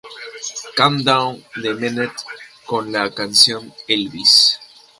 Countdown de Mnet con la canción "Elvis".